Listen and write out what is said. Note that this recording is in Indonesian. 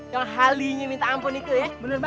yang holinya minta ampun itu ya